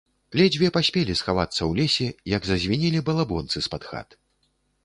Ледзьве паспелі схавацца ў лесе, як зазвінелі балабонцы з-пад хат.